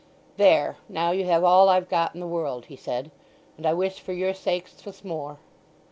"There, now you have all I've got in the world," he said. "And I wish for your sakes 'twas more."